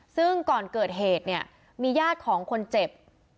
ซึ่งก่อนเกิดเหตุเนี่ยมีญาติของคนเจ็บ